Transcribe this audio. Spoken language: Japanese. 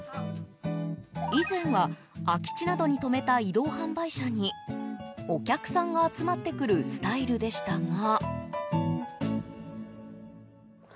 以前は空き地などに止めた移動販売車にお客さんが集まってくるスタイルでしたが。